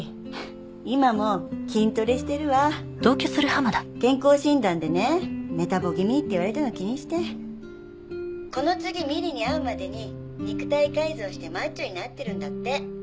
今も筋トレしてるわ健康診断でねメタボ気味って言われたの気にしてこの次美璃に会うまでに肉体改造してマッチョになってるんだって